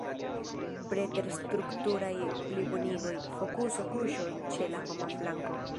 Preter strukturaj plibonigoj, fokuso kuŝu ĉe la homa flanko.